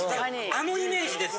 あのイメージです。